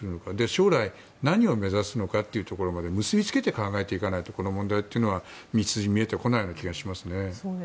将来、何を目指すのかというところまで結びつけて考えていかないとこの問題というのは見えてこないような気がしますね。